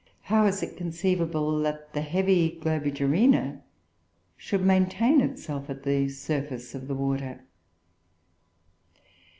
how is it conceivable that the heavy Globigerina should maintain itself at the surface of the water?